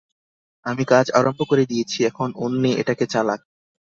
আমি কাজ আরম্ভ করে দিয়েছি, এখন অন্যে এটাকে চালাক।